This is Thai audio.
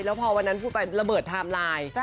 แล้วพอวันนั้นพูดไประเบิดไทม์ไลน์